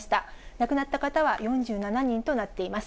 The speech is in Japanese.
亡くなった方は４７人となっています。